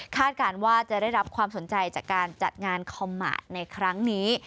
การว่าจะได้รับความสนใจจากการจัดงานคอมมาตรในครั้งนี้